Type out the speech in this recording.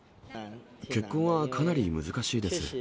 結婚はかなり難しいです。